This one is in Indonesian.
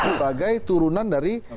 sebagai turunan dari